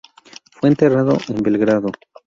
Fue enterrado en Belgrado.